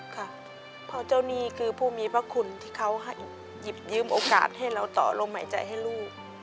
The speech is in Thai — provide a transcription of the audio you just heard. ค่ะเพราะเจ้านี่คือผู้มีพระคุณที่เขาหยิบยืมโอกาสให้เราต่อลมหายใจให้ลูก